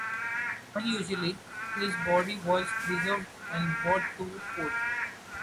Unusually, his body was preserved and brought to port.